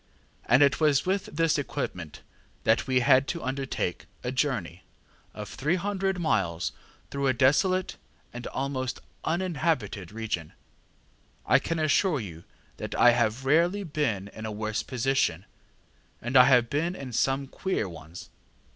And it was with this equipment that we had to undertake a journey of 300 miles through a desolate and almost uninhabited region. I can assure you that I have rarely been in a worse position, and I have been in some queer ones.